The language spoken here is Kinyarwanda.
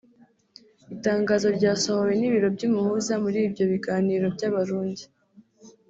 Itangazo ryasohowe n’ibiro by’umuhuza muri ibyo biganiro by’Abarundi